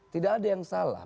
tidak ada yang salah